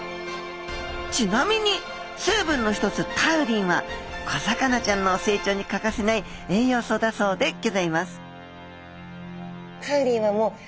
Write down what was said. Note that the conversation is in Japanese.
ちなみに成分の一つタウリンは小魚ちゃんの成長に欠かせない栄養素だそうでギョざいます